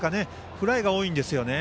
フライが多いんですよね。